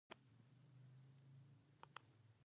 د زیات شمېر خلکو دین یې اسلام دی چې اکثریت یې مسلمانان دي.